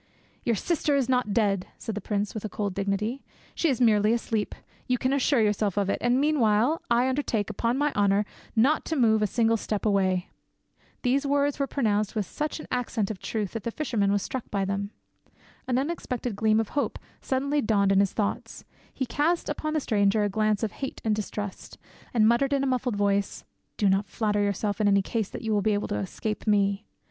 "Your sifter is not dead," said the prince, with cold dignity; "she is merely asleep. You can assure yourself of it, and meanwhile I undertake, upon my Honour, not to move a single step away." These words were pronounced with such an accent of truth that the fisherman was struck by them. An unexpected gleam of hope suddenly dawned in his thoughts; he cast upon the stranger a glance of hate and distrust, and muttered in a muffled voice, "Do not flatter yourself, in any case, that you will be able to escape me."